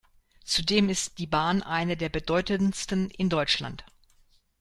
Zudem ist die Bahn eine der bedeutendsten in Deutschland.